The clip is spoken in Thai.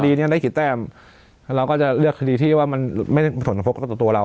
คดีเนี้ยได้กี่แป้มแล้วเราก็จะเลือกคดีที่ว่ามันไม่สนพกตัวตัวเรา